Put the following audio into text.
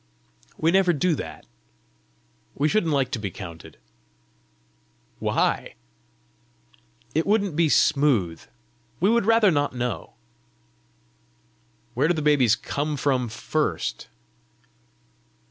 "We never do that. We shouldn't like to be counted." "Why?" "It wouldn't be smooth. We would rather not know." "Where do the babies come from first?"